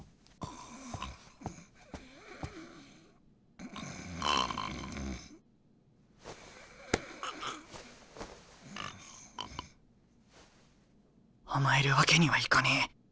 心の声甘えるわけにはいかねえ。